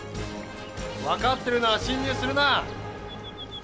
・分かってるなら侵入するな。